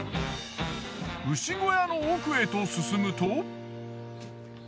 牛小屋の奥へと進むと。